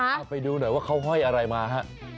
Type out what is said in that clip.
เอาไปดูหน่อยว่าเขาห้อยอะไรมาฮะ